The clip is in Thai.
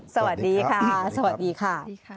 สวัสดีค่ะสวัสดีค่ะ